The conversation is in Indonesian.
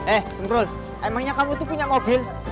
eh sempros emangnya kamu tuh punya mobil